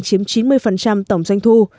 chiếm chín mươi tổng doanh thu